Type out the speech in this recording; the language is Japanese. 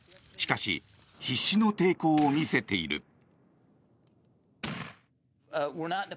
しかし必死の抵抗を見せている。